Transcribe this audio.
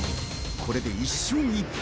これで１勝１敗。